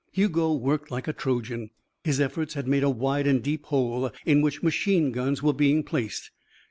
Hugo worked like a Trojan. His efforts had made a wide and deep hole in which machine guns were being placed.